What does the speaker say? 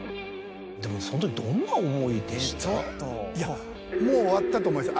でもその時どんな思いでした？と思いました